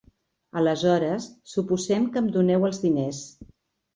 Aleshores suposem que em doneu els diners.